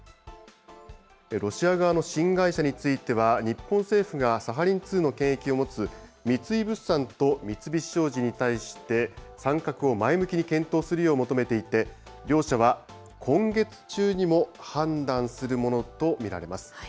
ロシア側の新会社については、日本政府が、サハリン２の権益を持つ三井物産と三菱商事に対して、参画を前向きに検討するよう求めていて、両社は今月中にも判断するものと見られます。